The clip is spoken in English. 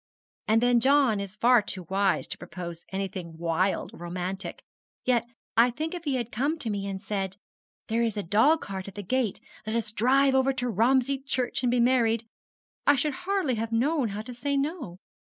And then John is far too wise to propose anything wild or romantic yet I think if he had come to me and said, "There is a dog cart at the gate, let us drive over to Romsey Church and be married," I should hardly have known how to say no.